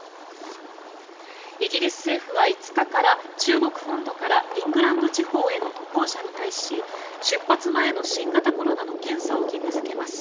イギリス政府は５日から中国本土からイングランド地方への渡航者に対し出発前の新型コロナの検査を義務付けます。